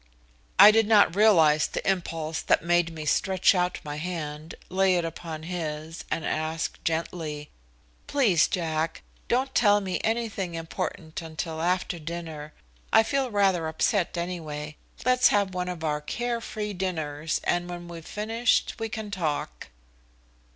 I did not realize the impulse that made me stretch out my hand, lay it upon his, and ask gently: "Please, Jack, don't tell me anything important until after dinner. I feel rather upset anyway. Let's have one of our care free dinners and when we've finished we can talk."